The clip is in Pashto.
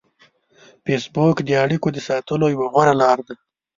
فېسبوک د اړیکو د ساتلو یوه غوره لار ده